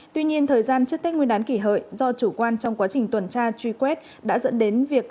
tuy nhiên thời gian trước tết nguyên đán kỷ hợi do chủ quan trong quá trình tuần tra truy quét đã dẫn đến việc